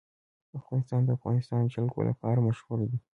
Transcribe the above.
افغانستان د د افغانستان جلکو لپاره مشهور دی.